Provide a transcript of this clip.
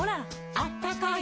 「あったかい！」